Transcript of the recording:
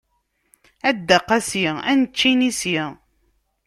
A Dda Qasi ad nečč inisi.